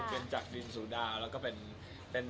เป็นจักรินสุดาแล้วก็เป็น